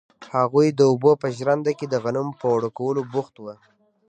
هغوی د اوبو په ژرنده کې د غنمو په اوړه کولو بوخت وو.